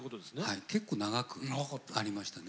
はい結構長くありましたね。